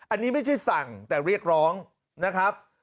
อันนี้ไม่ใช่สั่งแต่เรียกร้องนะครับ